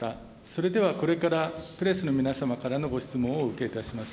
それではこれからプレスの皆様からのご質問をお受けいたします。